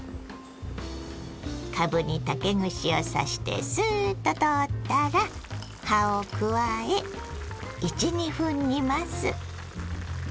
かぶに竹串を刺してスーッと通ったら葉を加え１２分煮ます。